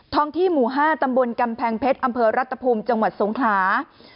ที่หมู่๕ตำบลกำแพงเพชรอำเภอรัตภูมิจังหวัดสงขลา